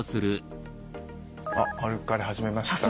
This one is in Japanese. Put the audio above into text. あ歩かれ始めましたね。